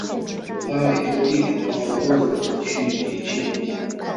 南美洲地理包括多种地区及气候。